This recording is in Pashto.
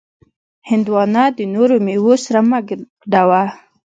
هندوانه د نورو میوو سره مه ګډوه.